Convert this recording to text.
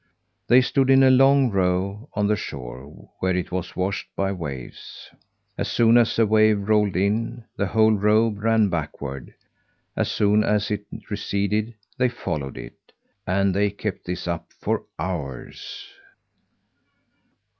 They stood in a long row on the shore where it was washed by waves. As soon as a wave rolled in, the whole row ran backward; as soon as it receded, they followed it. And they kept this up for hours.